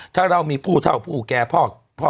ถ้าเรามีผู้เท่าผู้แก่พ่อ